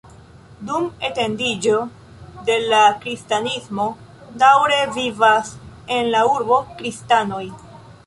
Dum etendiĝo de la kristanismo daŭre vivas en la urbo kristanoj.